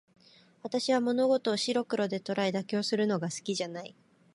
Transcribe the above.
私は物事を白黒で捉え、妥協するのが好きじゃない。